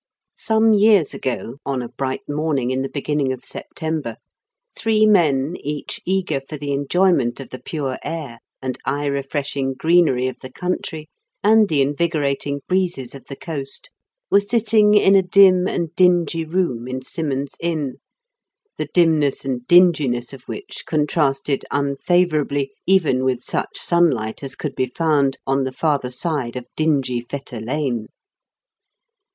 Some years ago, on a bright morning in the beginning of September, three men, each eager for the fnjoymLt of fte pure air and eye refreshing greenery of the country and the in vigorating breezes of the coast, were sitting in a dim and dingy room in Symond's Inn, the dimness and dinginess of which contrasted un favourably even with such sunlight as could be found on the farther side of dingy Fetter Lane.